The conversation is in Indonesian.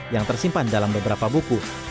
yang tersimpan dalam beberapa buku